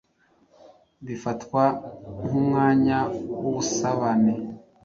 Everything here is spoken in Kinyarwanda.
bifatwa nk’umwanya w’ubusabane